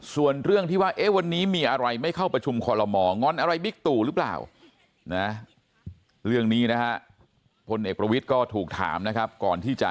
ส่วนเรื่องที่ว่าวันนี้มีอะไรไม่เข้าประชุมคอลโลมองอนอะไรบิ๊กตู่หรือเปล่า